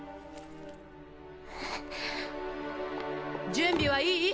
準備はいい？